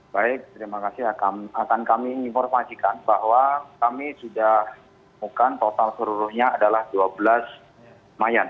baik terima kasih akan kami informasikan bahwa kami sudah bukan total seluruhnya adalah dua belas mayat